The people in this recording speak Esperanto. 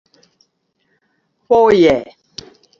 "Foje."